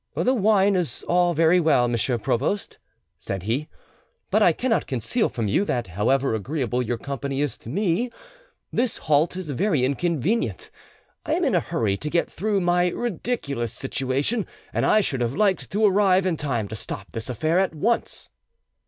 "The wine is all very well, monsieur provost," said he, "but I cannot conceal from you that however agreeable your company is to me, this halt is very inconvenient; I am in a hurry to get through my ridiculous situation, and I should have liked to arrive in time to stop this affair at once."